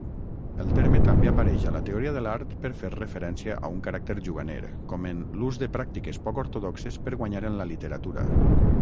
El terme també apareix a la teoria de l'art per fer referència a un caràcter juganer, com en "l'ús de pràctiques poc ortodoxes per guanyar en la literatura".